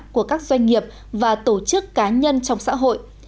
của các doanh nghiệp và tổ chức cá nhân trong xã hội